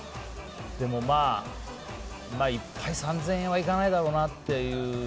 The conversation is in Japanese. でも、１杯３０００円はいかないだろうなって。